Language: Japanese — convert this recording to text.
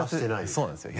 そうなんですよ。